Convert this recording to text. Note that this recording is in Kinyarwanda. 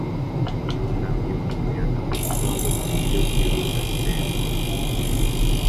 Yunamye mumuyaga mugitondo kuburyo bwihuta kurengana